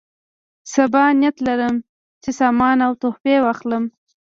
صبا نیت لرم چې سامان او تحفې واخلم.